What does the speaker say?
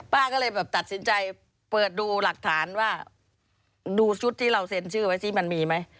ก็เลยแบบตัดสินใจเปิดดูหลักฐานว่าดูชุดที่เราเซ็นชื่อไว้สิมันมีไหม